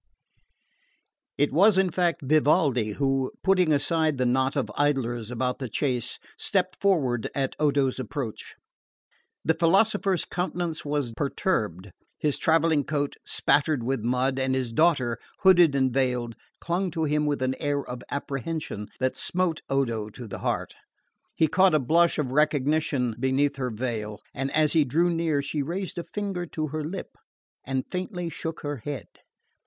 It was in fact Vivaldi who, putting aside the knot of idlers about the chaise, stepped forward at Odo's approach. The philosopher's countenance was perturbed, his travelling coat spattered with mud, and his daughter, hooded and veiled, clung to him with an air of apprehension that smote Odo to the heart. He caught a blush of recognition beneath her veil; and as he drew near she raised a finger to her lip and faintly shook her head.